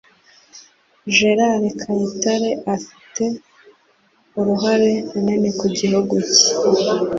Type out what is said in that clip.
Jenerari kayitare Afite uruhare runini ku gihugu cye.